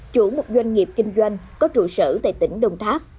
chủ một doanh nghiệp kinh doanh có trụ sở tại tỉnh đồng tháp